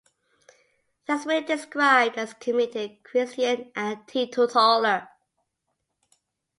He has been described as a committed Christian and teetotaller.